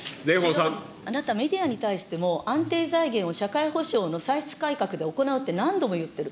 あなた、メディアに対しても、安定財源を社会保障の歳出改革で行うって何度も言ってる。